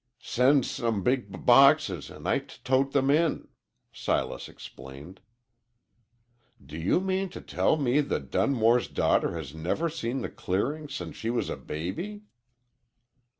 "Sends home b big boxes, an' I t tote 'em in," Silas explained. "Do you mean to tell me that Dunmore's daughter has never seen the clearing since she was a baby?"